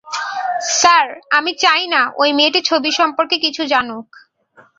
Sir, আমি চাই না ঐ মেয়েটি ছবি সম্পর্কে কিছু জানুক।